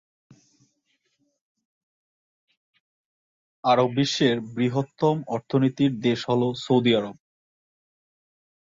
আরব বিশ্বের বৃহত্তম অর্থনীতির দেশ হল সৌদি আরব।